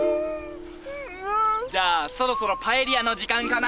じゃあそろそろパエリアの時間かな？